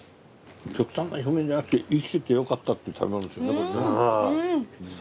極端な表現じゃなくて生きててよかったっていう食べ物ですよねこれね。